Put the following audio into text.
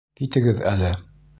Китегеҙ әле!